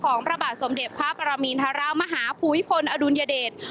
พระบาทสมเด็จพระปรมินทรมาฮาภูมิพลอดุลยเดช